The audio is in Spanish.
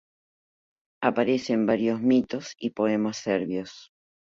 Aparece en varios mitos y poemas serbios.